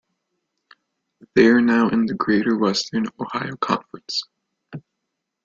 They are now in the Greater Western Ohio Conference.